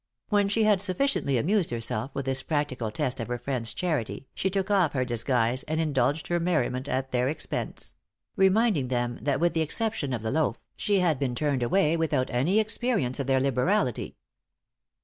When she had sufficiently amused herself with this practical test of her friends' charity, she took off her disguise, and indulged her merriment at their expense; reminding them that with the exception of the loaf, she had been turned away without any experience of their liberality.